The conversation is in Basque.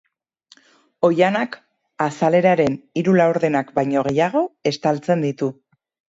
Oihanak azaleraren hiru laurdenak baino gehiago estaltzen ditu.